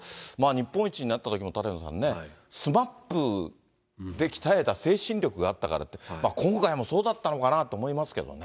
日本一になったときも舘野さんね、ＳＭＡＰで鍛えた精神力があったからって、今回もそうだったのかなと思いますけどね。